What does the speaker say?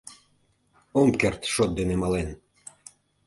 Ом керт шот дене мален!